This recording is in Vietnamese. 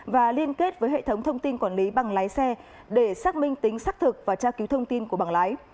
và liên kết với hệ thống thông tin quản lý bằng lái xe để xác minh tính xác thực và tra cứu thông tin của bằng lái